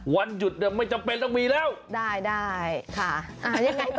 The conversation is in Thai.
วันหยุดเนี่ยไม่จำเป็นต้องมีแล้วได้ได้ค่ะอ่ายังไงต่อ